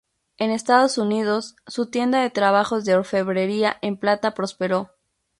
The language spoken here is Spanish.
En Estados Unidos, su tienda de trabajos de orfebrería en plata prosperó.